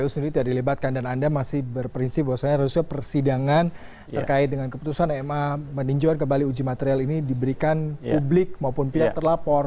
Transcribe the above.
kpu sendiri tidak dilibatkan dan anda masih berprinsip bahwasannya harusnya persidangan terkait dengan keputusan ma meninjauan kembali uji material ini diberikan publik maupun pihak terlapor